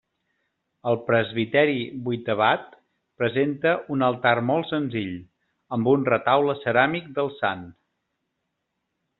El presbiteri, vuitavat, presenta un altar molt senzill, amb un retaule ceràmic del sant.